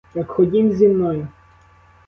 Так ходім зі мною!